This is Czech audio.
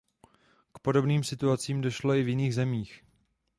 K podobným situacím došlo i v jiných zemích.